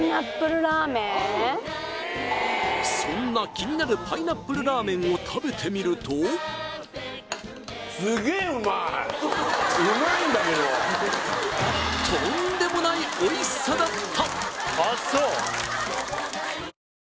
そんな気になるパイナップルラーメンを食べてみるととんでもないおいしさだった！